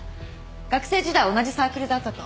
学生時代同じサークルだったと。